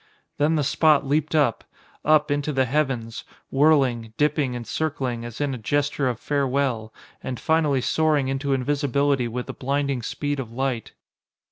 Then the spot leaped up up into the heavens, whirling, dipping and circling as in a gesture of farewell, and finally soaring into invisibility with the blinding speed of light.